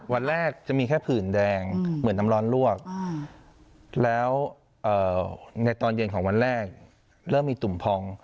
วันแรกจะมีแค่ผื่นแดงเหมือนน้ำร้อนลวกแล้วในตอนเย็นของวันแรกเริ่มมีตุ่มพอง